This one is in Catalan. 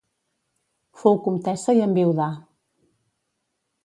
Fou comtessa i enviudà.